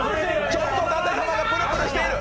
ちょっと舘様がプルプルしている。